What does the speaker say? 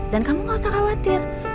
dan kamu gak usah khawatir